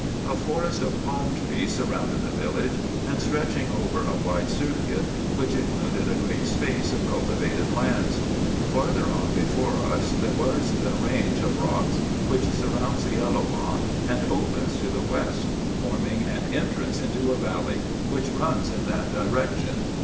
A forest of palm trees surrounded the village, and stretching over a wide circuit, which included a great sj)ace of cultivated lands. Farther on before us, there was the range of rocks which surrounds the Elloah, and opens to the west, forming an entrance into a valley which runs in that direction.